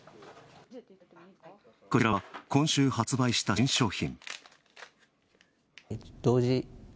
こちらは今週発売した新商品。